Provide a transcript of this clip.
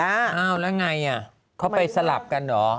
อ้าวแล้วไงเขาไปสลับกันเหรอ